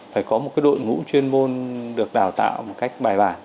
phải có một đội ngũ chuyên môn được đào tạo một cách bài bản